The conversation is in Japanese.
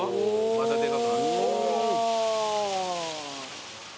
またでかくなった。